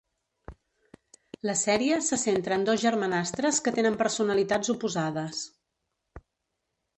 La sèrie se centra en dos germanastres que tenen personalitats oposades.